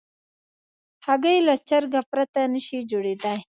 هګۍ له چرګه پرته نشي جوړېدای.